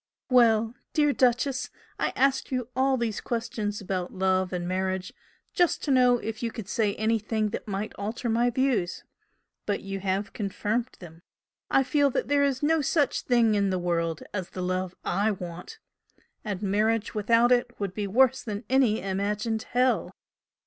Well, dear 'Duchess,' I asked you all these questions about love and marriage just to know if you could say anything that might alter my views but you have confirmed them. I feel that there is no such thing in the world as the love I want and marriage without it would be worse than any imagined hell.